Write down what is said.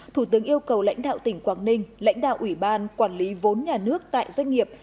thủ tướng yêu cầu lãnh đạo tỉnh quảng ninh lãnh đạo ủy ban quản lý vốn nhà nước tại doanh nghiệp